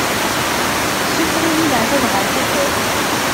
Sufeɣ-iyi leɛtab ɣer tafat.